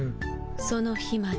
その日まで。